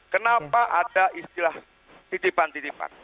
kenapa ada istilah titipan titipan